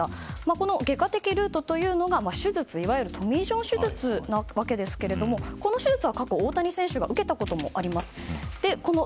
この外科的ルートというのが手術いわゆるトミー・ジョン手術なわけですがこの手術は過去大谷選手が受けたことがあります。